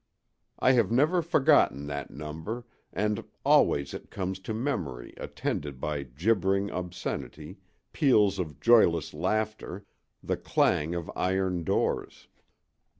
I have never forgotten that number, and always it comes to memory attended by gibbering obscenity, peals of joyless laughter, the clang of iron doors.